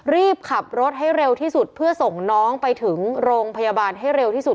รีบขับรถให้เร็วที่สุดเพื่อส่งน้องไปถึงโรงพยาบาลให้เร็วที่สุด